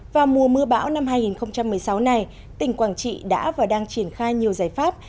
vào mùa mưa bão năm hai nghìn một mươi sáu này tỉnh quảng trị đã và đang triển khai nhiều giải pháp